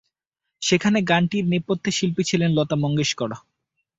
সেখানে গানটির নেপথ্য শিল্পী ছিলেন লতা মঙ্গেশকর।